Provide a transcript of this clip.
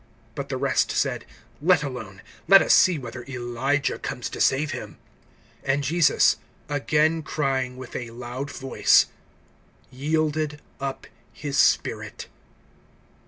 (49)But the rest said: Let alone; let us see whether Elijah comes to save him. (50)And Jesus, again crying with a loud voice, yielded up his spirit.